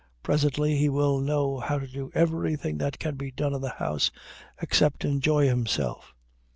Presently he will know how to do everything that can be done in the house, except enjoy himself.